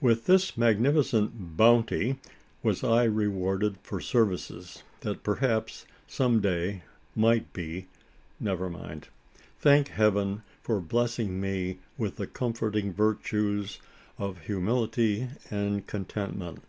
With this magnificent "bounty" was I rewarded for services, that perhaps some day might be never mind! thank heaven for blessing me with the comforting virtues of humility and contentment!